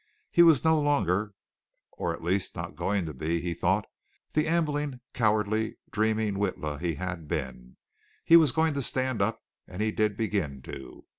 He was no longer, or at least not going to be, he thought, the ambling, cowardly, dreaming Witla he had been. He was going to stand up, and he did begin to.